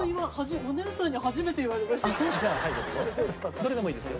どれでもいいですよ